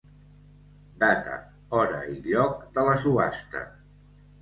Data, hora i lloc de la subhasta.